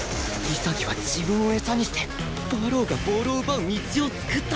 潔は自分を餌にして馬狼がボールを奪う道を創ったんだ